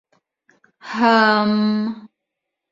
— Һы-ым!